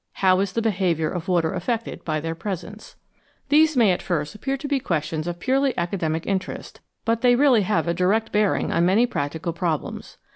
How is the behaviour of the water affected by their presence ? These may at first sight appear to be questions of 302 FACTS ABOUT SOLUTIONS purely academic interest, but they really have a direct bearing on many practical problems.